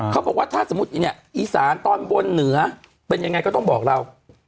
เขาบอกว่าถ้าสมมุติเนี่ยอีสานตอนบนเหนือเป็นยังไงก็ต้องบอกเรา